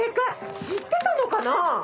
知ってたのかな？